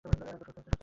একদম সুস্থ আছে।